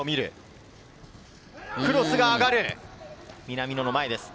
クロスが上がる南野の前です。